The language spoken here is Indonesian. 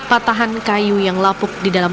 patahan kayu yang lapuk di dalam